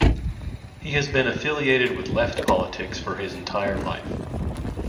He has been affiliated with left politics for his entire life.